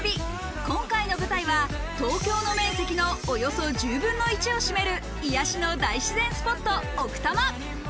今回の舞台は東京の面積のおよそ１０分の１を占める、癒やしの大自然スポット奥多摩。